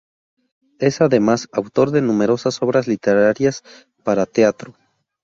Es además, autor de numerosas obras literarias para teatro.